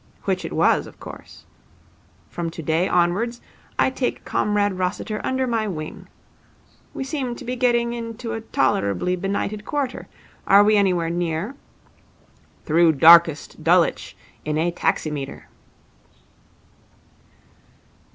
Which it was, of course. From today onwards I take Comrade Rossiter under my wing. We seem to be getting into a tolerably benighted quarter. Are we anywhere near? "Through Darkest Dulwich in a Taximeter."'